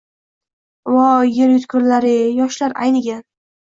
Voy, yer yutgurlar-yey… Yoshlar aynigan